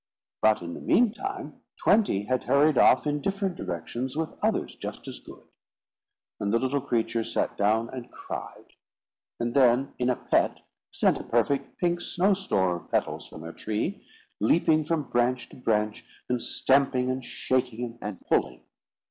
But in the meantime twenty had hurried off in different directions with others just as good; and the little creature sat down and cried, and then, in a pet, sent a perfect pink snowstorm of petals from her tree, leaping from branch to branch, and stamping and shaking and pulling.